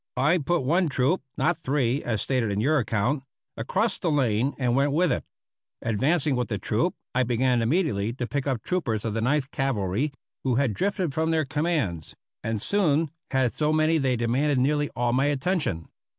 I put one troop (not three, as stated in your account*) across the lane and went with it. Advancing with the troop, I began immediately to pick up troopers of the Ninth Cavalry who had drifted from their commands, and soon had so many they demanded nearly all my attention.